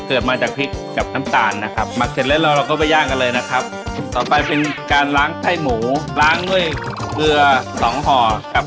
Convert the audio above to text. เกิดมาจากพริกกับน้ำตาลนะครับ